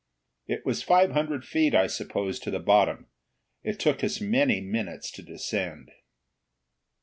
It was five hundred feet, I suppose, to the bottom; it took us many minutes to descend.